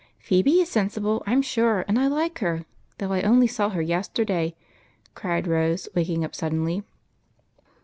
" Phebe is sensible, I 'm sure, and I like her, though I only saw her yesterday," cried Rose, waking up sud denly.